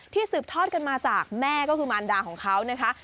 สืบทอดกันมาจากแม่ก็คือมารดาของเขานะคะ